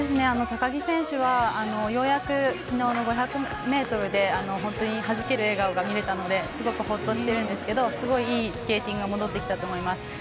高木選手はようやく昨日の５００ｍではじける笑顔が見れたのですごくほっとしてるんですけどすごくいいスケーティングが戻ってきたと思います。